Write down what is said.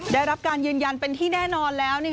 ได้รับการยืนยันเป็นที่แน่นอนแล้ว